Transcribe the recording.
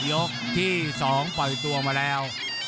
ยกที่๒ปล่อยตัวมาแล้ว